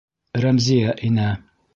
Рәмзиә инә.